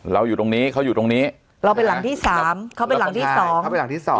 เราอยู่ตรงนี้เขาอยู่ตรงนี้เราไปหลังที่สามเข้าไปหลังที่สองเข้าไปหลังที่สอง